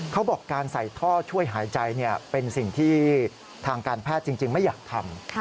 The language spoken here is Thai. เขาบอกการใส่ท่อช่วยหายใจเป็นสิ่งที่ทางการแพทย์จริงไม่อยากทำ